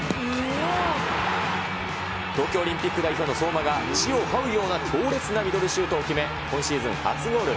東京オリンピック代表の相馬が地をはうような強烈なミドルシュートを決め、今シーズン初ゴール。